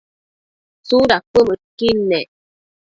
¿tsudad cuëdmëdquid ne?